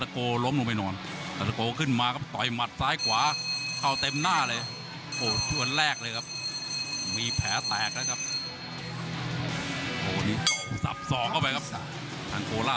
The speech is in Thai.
ทำท่าจะยุ่งละ